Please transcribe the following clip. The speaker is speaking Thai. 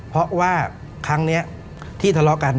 เพราะว่าครั้งนี้ที่ทะเลาะกัน